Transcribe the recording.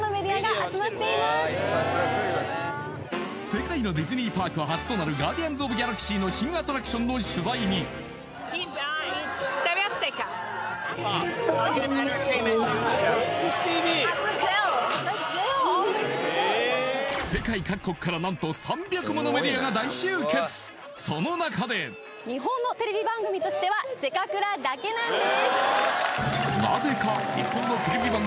世界のディズニーパーク初となる「ガーディアンズ・オブ・ギャラクシー」の新アトラクションの取材に世界各国から何と３００ものメディアが大集結その中でなぜかという何で？